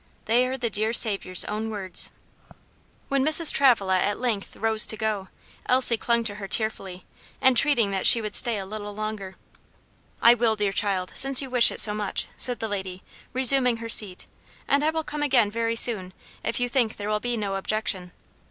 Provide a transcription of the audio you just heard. They are the dear Saviour's own words." When Mrs. Travilla at length rose to go, Elsie clung to her tearfully, entreating that she would stay a little longer. "I will, dear child, since you wish it so much," said the lady, resuming her seat, "and I will come again very soon, if you think there will be no objection.